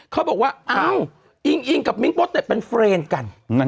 เขาบอกว่าอ้าวอิงอิงกับมิ้งก็แต่เป็นเพื่อนกัน